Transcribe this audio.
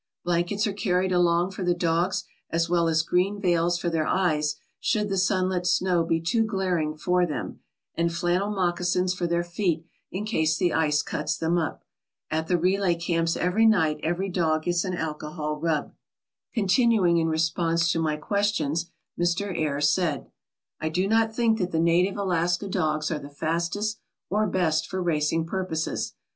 Blan kets are carried along for the dogs as well as green veils for their eyes should the sunlit snow be too glaring for them, and flannel moccasins for their feet in case the ice cuts them up. At the relay camps at night every dog gets an alcohol rub." Continuing in response to my questions, Mr. Ayer said: "I do not think that the native Alaska dogs are the fastest or best for racing purposes.